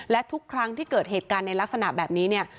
และทุกครั้งที่เกิดเหตุการณ์ในลักษณะแบบนี้เนี่ย